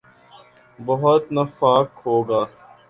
بہت نفاق ہو گا۔